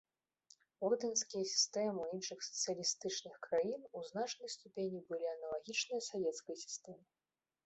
Ордэнскія сістэмы іншых сацыялістычных краін у значнай ступені былі аналагічныя савецкай сістэме.